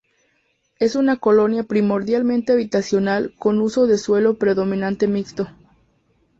Es una colonia primordialmente habitacional con uso de suelo predominante mixto.